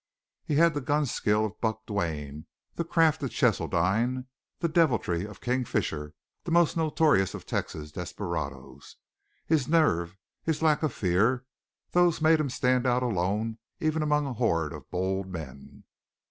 He had the gun skill of Buck Duane, the craft of Cheseldine, the deviltry of King Fisher, the most notorious of Texas desperadoes. His nerve, his lack of fear those made him stand out alone even among a horde of bold men.